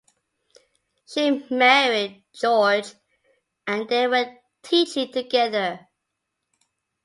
She married George, and they went teaching together.